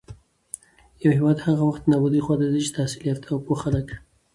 يـو هېـواد هـغه وخـت د نـابـودۍ خـواتـه ځـي چـې تحـصيل يافتـه او پـوه خلـک